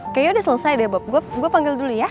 oke ya udah selesai deh bob gue panggil dulu ya